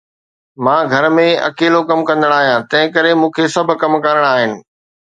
مان گهر ۾ اڪيلو ڪم ڪندڙ آهيان، تنهنڪري مون کي سڀ ڪم ڪرڻا آهن.